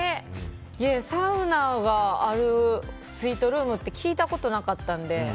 サウナがあるスイートルームって聞いたことなかったんで。